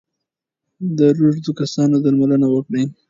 د روږدو کسانو درملنه وکړئ.